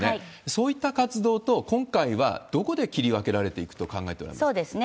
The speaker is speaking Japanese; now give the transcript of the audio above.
そういった活動と、今回はどこで切り分けられていくと考えておられますか？